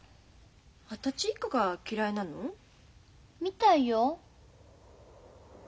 二十歳以下が嫌いなの？みたいよ。